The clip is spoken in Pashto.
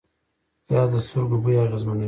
پیاز د سترګو بوی اغېزمنوي